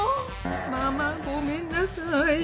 「ママごめんなさい」。